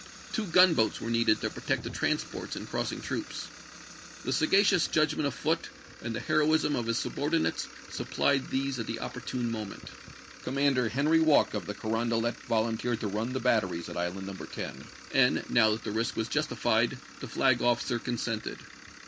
Two gunboats were needed to protect the transports in crossing troops. The sagacious judgment of Foote and the heroism of his subordinates supplied these at the opportune moment. Commander Henry Walke to^waike. of the Carondelet volunteered to run the batteries at iS '^'^K. Island No. 10 ; and, now that the risk was justified, %'. 121. ■' the flag officer consented.